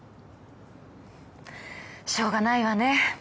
しょうがないわね。